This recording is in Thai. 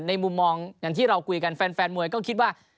ในมุมมองที่เรากลัวคุยกันแฟนมวยก็คิดว่า